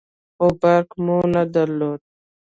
خو برق مو نه درلود.